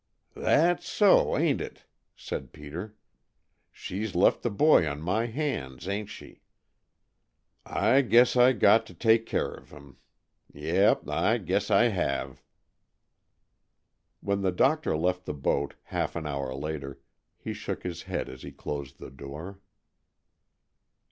"That's so, aint it?" said Peter. "She's left the boy on my hands, ain't she? I guess I got to take care of him. Yep, I guess I have!" When the doctor left the boat, half an hour later, he shook his head as he closed the door.